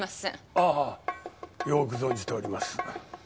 ああよーく存じております。